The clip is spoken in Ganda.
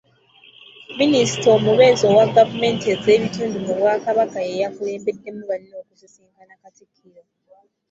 Minisita Omubeezi owa gavumenti ez’ebitundu mu Bwakabaka y'eyakulembeddemu banne okusisinkana Katikkiro.